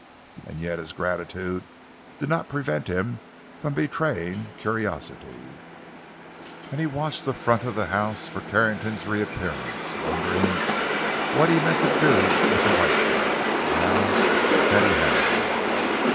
And yet his gratitude did not prevent him from betraying curiosity; and he watched the front of the house for Carrington's reappearance, wondering what he meant to do with the white girl, now that he had her.